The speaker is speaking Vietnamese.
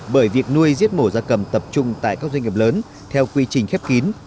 bởi việc nuôi giết mổ da cầm tập trung tại các doanh nghiệp lớn theo quy trình khép kín